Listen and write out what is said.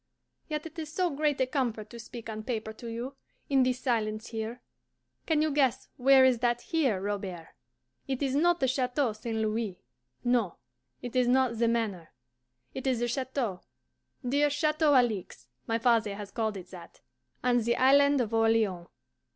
Yet it is so great a comfort to speak on paper to you, in this silence here. Can you guess where is that HERE, Robert? It is not the Chateau St. Louis no. It is not the Manor. It is the chateau, dear Chateau Alixe my father has called it that on the Island of Orleans.